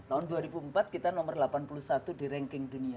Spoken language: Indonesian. tahun dua ribu empat kita nomor delapan puluh satu di ranking dunia